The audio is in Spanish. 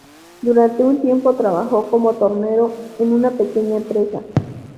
Durante un tiempo trabajó como tornero en una pequeña empresa.